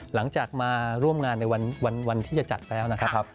หลังจากมาร่วมงานในวันที่จะจัดแล้วนะครับ